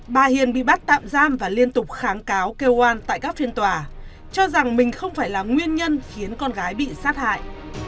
bà hiền bị bắt tạm giam và liên tục kháng cáo kêu an tại các phiên tòa cho rằng mình không phải là nguyên nhân khiến con gái bị sát hại